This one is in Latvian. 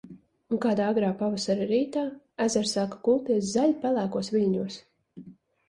Un kādā agrā pavasara rītā, ezers sāka kulties zaļpelēkos viļņos.